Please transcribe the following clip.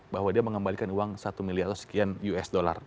bahwa dia mengembalikan uang satu miliar atau sekian usd